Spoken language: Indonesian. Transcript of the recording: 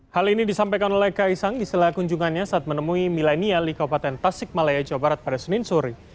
hal ini disampaikan oleh kaisang istilah kunjungannya saat menemui milenial likopaten tasik malaya jawa barat pada senin suri